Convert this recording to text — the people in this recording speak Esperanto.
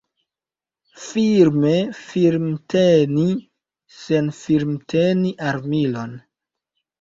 Firme firmteni sen firmteni armilon.